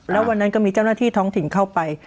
แล้ววันนั้นก็มีเจ้าหน้าที่ท้องถิ่นเข้าไป